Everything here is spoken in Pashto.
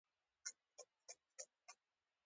کوچنيان يا ماشومان و مېلو ډېر ته ډېر خوشحاله يي.